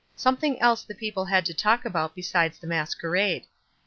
Some thing else the people had to talk about besides the masquerade.